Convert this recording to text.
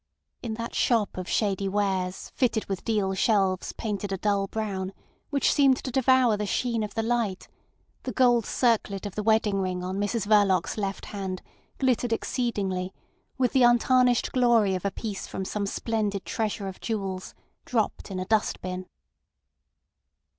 In that shop of shady wares fitted with deal shelves painted a dull brown, which seemed to devour the sheen of the light, the gold circlet of the wedding ring on Mrs Verloc's left hand glittered exceedingly with the untarnished glory of a piece from some splendid treasure of jewels, dropped in a dust bin.